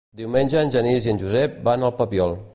Diumenge en Genís i en Josep van al Papiol.